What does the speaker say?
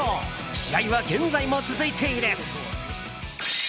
試合は現在も続いている。